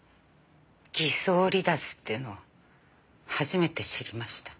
偽装離脱っていうのを初めて知りました。